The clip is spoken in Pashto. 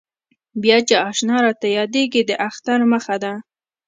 بیا چې اشنا راته یادېږي د اختر مخه ده.